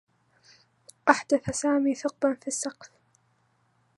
أحدث سامي ثقبا في السّقف.